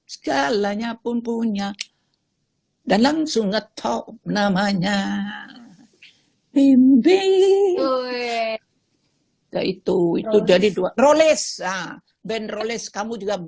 segalanya pun punya dan langsung ngetok namanya bimbi ya itu itu jadi dua rolesa band roles kamu juga